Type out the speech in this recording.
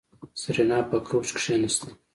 سېرېنا په کوچ کېناسته.